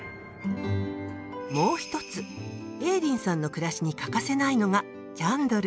もう一つエーリンさんの暮らしに欠かせないのがキャンドル。